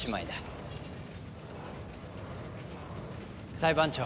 裁判長。